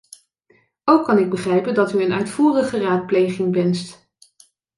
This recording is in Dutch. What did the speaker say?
Ook kan ik begrijpen dat u een uitvoerige raadpleging wenst.